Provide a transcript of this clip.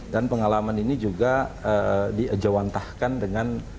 dan pengalaman ini juga diajawantahkan dengan